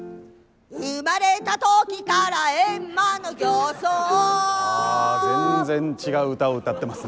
生まれた時から閻魔の形相あ全然違う歌を歌ってますね。